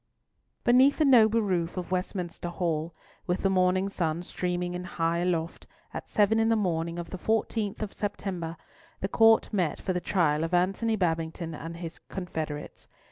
Beneath the noble roof of Westminster Hall, with the morning sun streaming in high aloft, at seven in the morning of the 14th of September, the Court met for the trial of Antony Babington and his confederates.